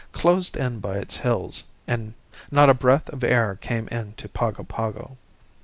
Closed in by its hills, not a breath of air came in to Pago Pago.